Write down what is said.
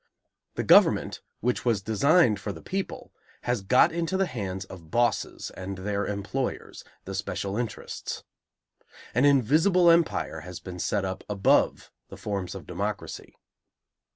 The government, which was designed for the people, has got into the hands of bosses and their employers, the special interests. An invisible empire has been set up above the forms of democracy.